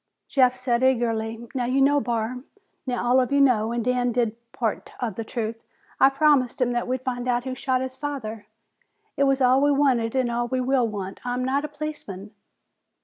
Jeff said eagerly, "Now you know, Barr. Now all of you know, and Dan did tell part of the truth. I promised him that we'd find out who shot his father. It was all we wanted and all we will want. I am not a policeman."